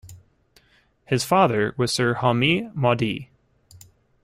His father was Sir Homi Mody.